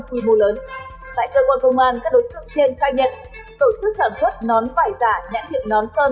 tại cơ quan công an các đối tượng trên khai nhận tổ chức sản xuất nón phải giả nhãn hiệu nón sơn